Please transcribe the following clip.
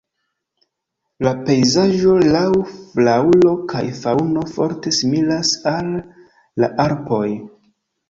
La pejzaĝo laŭ flaŭro kaj faŭno forte similas al la Alpoj.